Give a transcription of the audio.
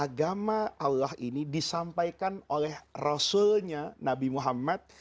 agama allah ini disampaikan oleh rasulnya nabi muhammad